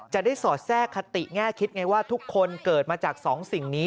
สอดแทรกคติแง่คิดไงว่าทุกคนเกิดมาจากสองสิ่งนี้